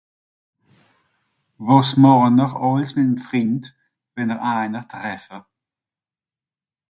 Que faites vous avec un ami lorsque vous en rencontre un ?